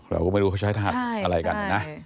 เราก็ไม่รู้เขาใช้อะไรกันนะ